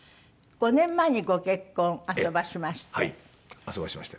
５年前にご結婚あそばしまして。